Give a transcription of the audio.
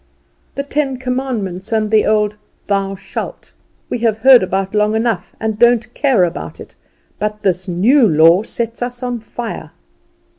The ten commandments and the old "Thou shalt" we have heard about long enough and don't care about it; but this new law sets us on fire.